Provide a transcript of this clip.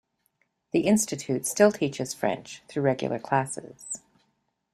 The institute still teaches French through regular classes.